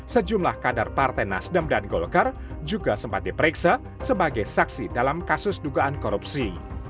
sejumlah kader partai nasdem dan golkar juga sempat diperiksa sebagai saksi dalam kasus dugaan korupsi